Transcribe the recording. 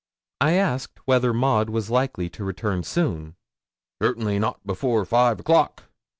'I asked whether Maud was likely to return soon? '"Certainly not before five o'clock."